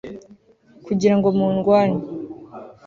kugira ngo mundwanye